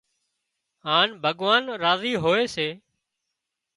هانَ ڀڳوان راضي هوئي سي